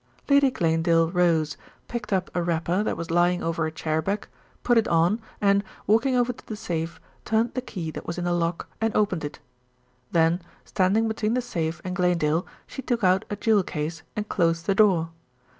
Lady Glanedale rose, picked up a wrapper that was lying over a chair back, put it on and, walking over to the safe, turned the key that was in the lock, and opened it. Then, standing between the safe and Glanedale, she took out a jewel case and closed the door.